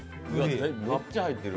めっちゃ入ってる！